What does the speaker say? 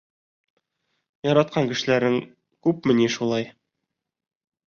— Яратҡан кешеләрең күпме ни шулай?